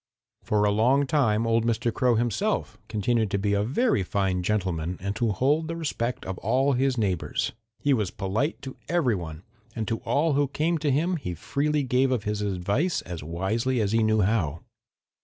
"For a long time old Mr. Crow himself continued to be a very fine gentleman and to hold the respect of all his neighbors. He was polite to every one, and to all who came to him he freely gave of his advice as wisely as he knew how.